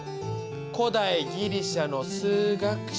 古代ギリシャの数学者。